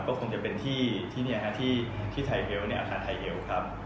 ก็คงจะเป็นที่ไทยเฮลล์อาหารไทยเฮลล์ครับ